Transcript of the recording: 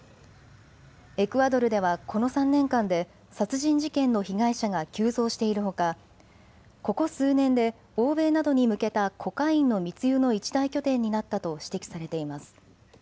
エクアドルではこの３年間で殺人事件の被害者が急増しているほか、ここ数年で欧米などに向けたコカインの密輸の一大拠点になったと指摘されています。